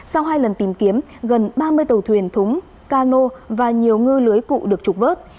sau hai lần tìm kiếm gần ba mươi tàu thuyền thúng cano và nhiều ngư lưới cụ được trục vớt